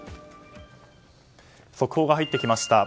速報が入ってきました。